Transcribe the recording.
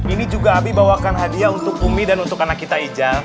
ini juga abi bawakan hadiah untuk umi dan untuk anak kita ijal